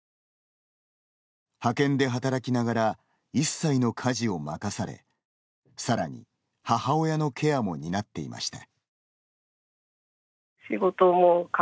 派遣で働きながら一切の家事を任されさらに、母親のケアも担っていました。